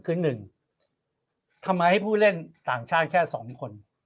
คือ๑ทำไมให้ผู้เล่นต่างชาติแค่๒คน